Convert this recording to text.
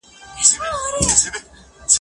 زده کوونکي کولی سي بریالي سي.